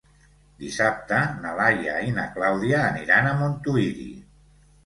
Dissabte na Laia i na Clàudia aniran a Montuïri.